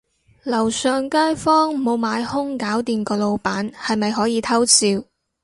樓上街坊無買兇搞掂個老闆，係咪可以偷笑